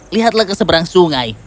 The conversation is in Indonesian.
lihatlah keseberang sungai